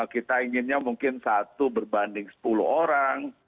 kita inginnya mungkin satu berbanding sepuluh orang